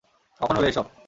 কখন হলো এসব?